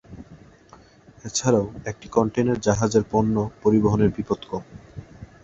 এছাড়াও, একটি কন্টেইনার জাহাজের পণ্য পরিবহনের বিপদ কম।